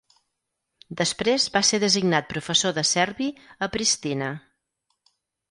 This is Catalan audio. Després va ser designat professor de serbi a Pristina.